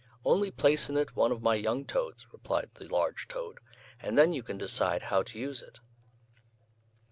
"Only place in it one of my young toads," replied the large toad, "and then you can decide how to use it."